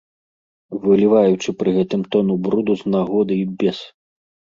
Выліваючы пры гэтым тону бруду з нагоды і без.